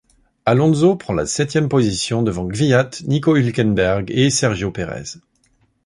Alonso prend la septième position, devant Kvyat, Nico Hülkenberg et Sergio Pérez.